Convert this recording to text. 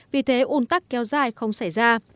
vì thế ôn tắc kéo dài không xảy ra